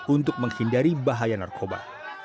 untuk menghindari bahaya narkoba